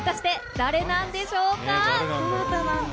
誰なんでしょう。